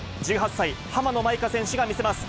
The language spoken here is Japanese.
１８歳、浜野まいか選手が見せます。